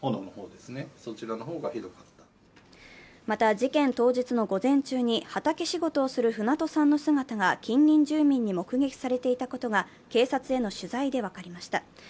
また、事件当日の午前中に畑仕事をする船戸さんの姿が近隣住民に目撃されていたことが警察への取材で分かりました。